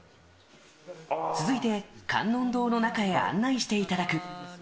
続いて観音堂の中に案内していただく。